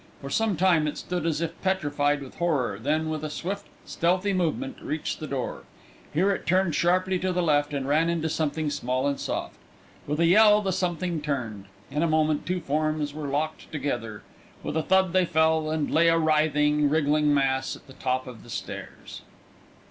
For some time it stood as if petrified with horror, then with a swift, stealthy movement reached the door. Here it turned sharply to the left and ran into something small and soft. With a yell the something turned. In a moment two forms were locked together. With a thud they fell, and lay a writhing, wriggling mass at the top of the stairs.